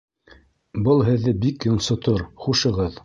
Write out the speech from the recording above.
Был һеҙҙе бик йонсотор. Хушығыҙ